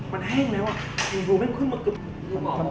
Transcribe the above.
มันแห้งแล้วมันขึ้นมา